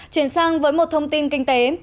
chuyển sang với một thông tin kinh tế